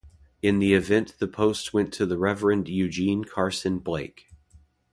In the event the post went to the Reverend Eugene Carson Blake.